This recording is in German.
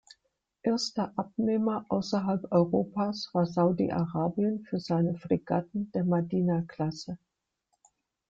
Erster Abnehmer außerhalb Europas war Saudi-Arabien für seine Fregatten der "Madina-Klasse".